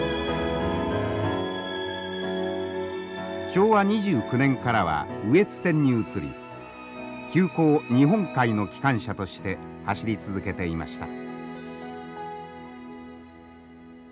昭和２９年からは羽越線に移り急行「日本海」の機関車として走り続けていました。